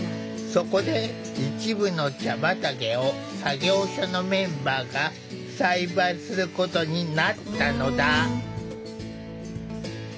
そこで一部の茶畑を作業所のメンバーが栽培することになったのだ。